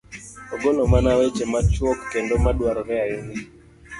ogolo mana weche machuok kendo ma dwarore ahinya.